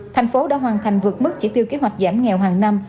thành phố đã hoàn thành vượt mức chỉ tiêu kế hoạch giảm nghèo hàng năm